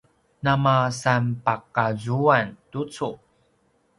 namasanpakazuan tucu